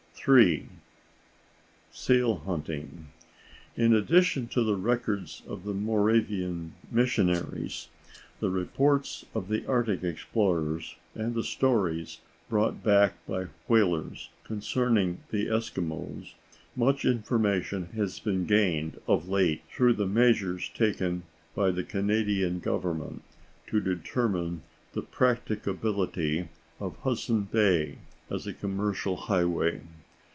[Illustration: SEAL HUNTING.] *III.* In addition to the records of the Moravian missionaries, the reports of the Arctic explorers and the stories brought back by whalers concerning the Eskimos, much information has been gained of late through the measures taken by the Canadian Government to determine the practicability of Hudson Bay as a commercial highway.